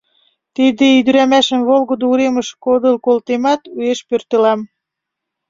Тиде ӱдырамашым волгыдо уремыш кодыл колтемат, уэш пӧртылам».